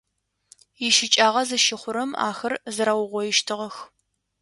ИщыкӀагъэ зыщыхъурэм ахэр зэрэугъоищтыгъэх.